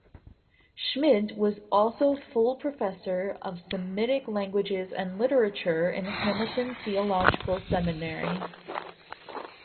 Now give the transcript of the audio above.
Schmidt was also full professor of Semitic Languages and Literature in Hamilton Theological Seminary.